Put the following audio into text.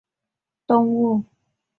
新疆花蛛为蟹蛛科花蛛属的动物。